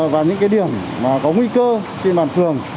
và những điểm có nguy cơ trên bàn phường